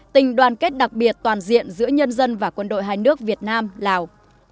tình đoàn kết đặc biệt toàn diện giữa nhân dân và quân đội hai nước việt nam lào